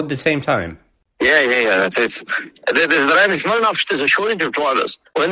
ketika ada kekurangan pengguna